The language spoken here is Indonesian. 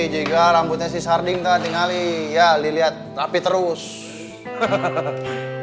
jika rambutnya paradigmas belum banyak working atas kamei telephone